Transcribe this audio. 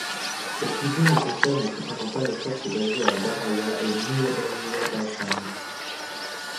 Cette fusion ne concerne cependant pas les forces basées à Daraya et Muadamiyat al-Cham.